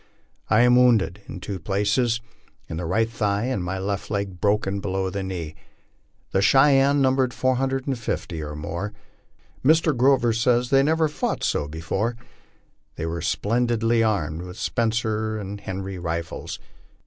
I am wounded in two places, in the right thigh and my left leg broken below the knee. The Cheyennes numbered 450 or more. Mr. Grorer says they never fought so be fore. They were splendidly armed with Spencer and Henry rifles.